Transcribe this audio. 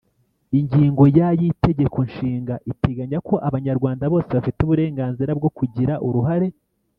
Ingingo ya y itegeko nshinga iteganya ko abanyarwanda bose bafite uburenganzira bwo kugira uruhare